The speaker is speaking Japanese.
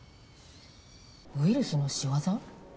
ウイルスの仕業？